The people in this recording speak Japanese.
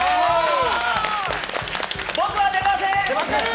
僕は出ません！